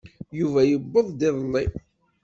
Yuba yewweḍ-d iḍelli.